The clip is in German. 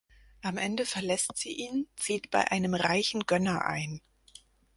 Am Ende verlässt sie ihn, zieht bei einem reichen Gönner ein.